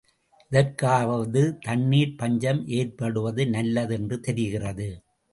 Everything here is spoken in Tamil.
இதற்காகவாவது தண்ணீர்ப் பஞ்சம் ஏற்படுவது நல்லது என்று தெரிகிறது.